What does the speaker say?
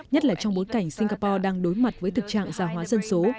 nhất là trong bối cảnh singapore đang đối mặt với thực trạng già hóa dân số